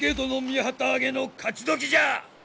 御旗揚げの勝ちどきじゃ！